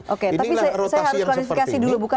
oke tapi saya harus klarifikasi dulu